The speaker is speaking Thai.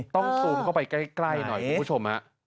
ซูมเข้าไปใกล้หน่อยคุณผู้ชมฮะ